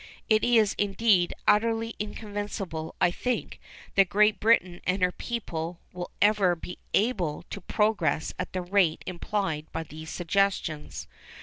It is, indeed, utterly inconceivable, I think, that Great Britain and her people will ever be able to progress at the rate implied by these suggestions.